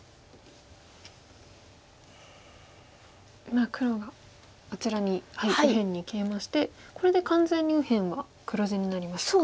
今黒があちらに右辺にケイマしてこれで完全に右辺は黒地になりましたか。